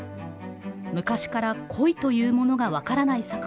昔から恋というものが分からない